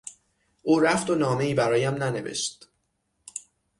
او رفت و نامهای برایم ننوشت.